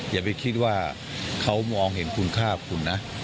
อย่าไปคิดว่าเขามองเห็นคุณค่าคุณนะ